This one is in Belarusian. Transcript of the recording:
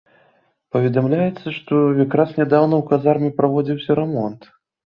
Паведамляецца, што якраз нядаўна ў казарме праводзіўся рамонт.